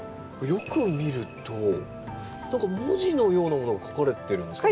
よく見ると何か文字のようなものが書かれてるんですかね。